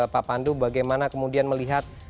pak pandu bagaimana kemudian melihat